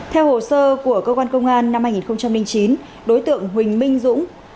theo hồ sơ của cơ quan công an năm hai nghìn chín đối tượng huỳnh minh dũng